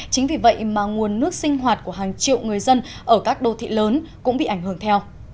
chính vì vậy mà nguồn nước sinh hoạt của hàng triệu người dân ở các đô thị lớn cũng bị ảnh hưởng theo